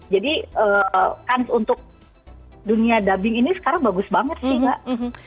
jadi kan untuk dunia dubbing ini sekarang bagus banget sih mbak